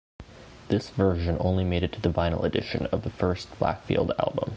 This version only made it to the vinyl edition of the first Blackfield album.